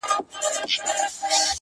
شراکت خو له کمزورو سره ښایي!!